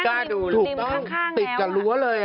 กล้าดูถูกต้องติดกับรั้วเลย